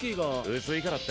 薄いからって？